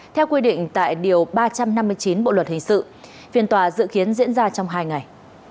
theo quy định tại điều ba trăm năm mươi chín bộ luật hình sự phiên tòa dự kiến diễn ra trong hai ngày